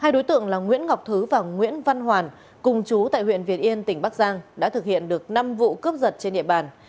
hai đối tượng là nguyễn ngọc thứ và nguyễn văn hoàn cùng chú tại huyện việt yên tỉnh bắc giang đã thực hiện được năm vụ cướp giật trên địa bàn